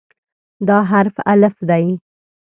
دا حرف "الف" دی.